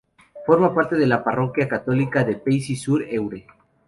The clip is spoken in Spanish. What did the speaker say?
Forma parte de la parroquia católica de Pacy-sur-Eure.